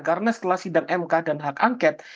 karena setelah sidang mk dan hak angket